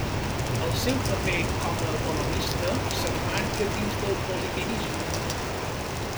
El seu paper com a economista s'emmarca dins del positivisme.